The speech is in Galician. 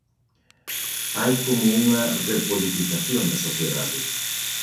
Hai como unha repolitización da sociedade.